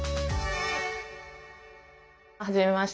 はじめまして。